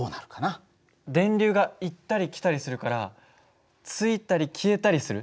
電流が行ったり来たりするからついたり消えたりする？